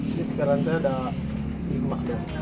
sekarang ada lima